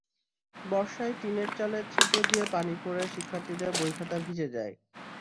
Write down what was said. বর্ষায় টিনের চালের ছিদ্র দিয়ে পানি পড়ে শিক্ষার্থীদের বই-খাতা ভিজে যায়।